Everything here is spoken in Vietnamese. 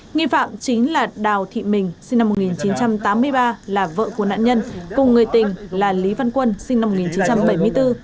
nghi phạm chính là đào thị mình sinh năm một nghìn chín trăm tám mươi ba là vợ của nạn nhân cùng người tình là lý văn quân sinh năm một nghìn chín trăm bảy mươi bốn